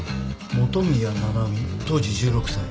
元宮七海当時１６歳。